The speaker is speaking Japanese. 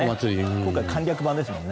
今回、簡略版ですもんね。